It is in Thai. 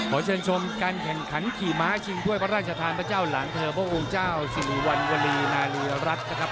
ขอเชิญชมการแข่งขันขี่ม้าชิงถ้วยพระราชทานพระเจ้าหลังเธอพระองค์เจ้าสิริวัณวรีนาลีรัฐนะครับ